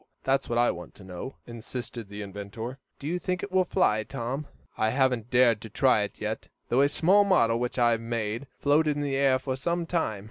That's what I want to know," insisted the inventor. "Do you think it will fly, Tom? I haven't dared to try it yet, though a small model which I made floated in the air for some time.